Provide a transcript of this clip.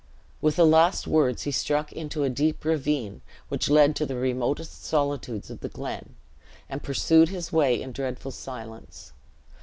With the last words he struck into a deep ravine which led to the remotest solitudes of the glen, and pursued his way in dreadful silence.